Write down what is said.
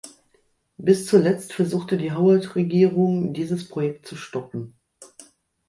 Bis zuletzt versuchte die Howard Regierung dieses Projekt zu stoppen.